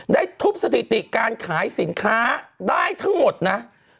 ได้ทุบสถิติการขายสินค้าได้ทั้งหมดนะ